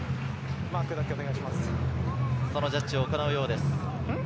そのジャッジを行うようです。